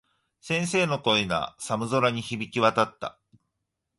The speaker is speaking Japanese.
先生の声が、寒空に響き渡った。